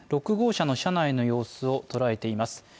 ６号車の車内の様子を捉えています